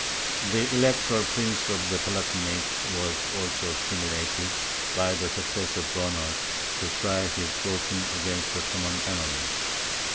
The Electoral Prince of the Palatinate was also stimulated, by the success of Bernard, to try his fortune against the common enemy.